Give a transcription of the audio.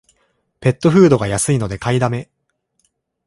ペットフードが安いので買いだめ